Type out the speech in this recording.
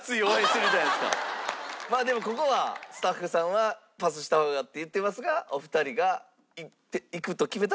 でもここはスタッフさんはパスした方がって言ってますがお二人がいくと決めたらいっていただいて。